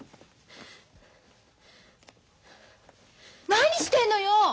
何してんのよ！？